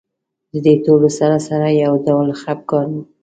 د دې ټولو سره سره یو ډول خپګان و.